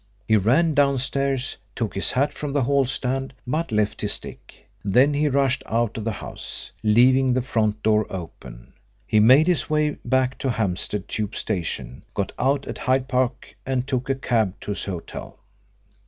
He ran downstairs, took his hat from the hall stand, but left his stick. Then he rushed out of the house, leaving the front door open. He made his way back to Hampstead Tube station, got out at Hyde Park and took a cab to his hotel.